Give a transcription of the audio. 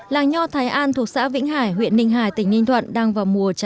làng nho thái an thuộc xã vĩnh hải huyện ninh hải tỉnh ninh thuận đang vào mùa trái